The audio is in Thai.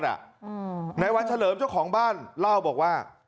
ในวันเฉลิมเจ้าของบ้านเล่าบอกว่า